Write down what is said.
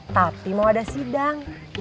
tapi mau ada sidang